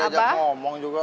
gak ada yang ngomong juga